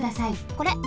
これ。